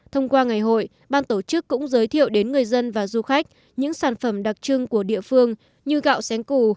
thông qua ngày hội ban tổ chức cũng giới thiệu đến người dân và du khách những sản phẩm đặc trưng của địa phương như gạo sén cù